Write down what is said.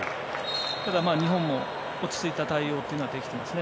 ただ、日本も落ち着いた対応ができていますね。